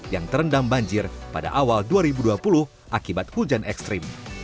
yang terendam banjir pada awal dua ribu dua puluh akibat hujan ekstrim